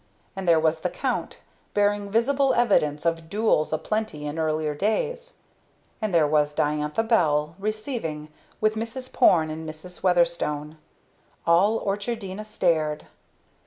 And there was the Count, bearing visible evidence of duels a plenty in earlier days. And there was Diantha Bell receiving, with Mrs. Porne and Mrs. Weatherstone. All Orchardina stared.